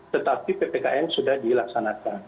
tetapi ppkm sudah dilaksanakan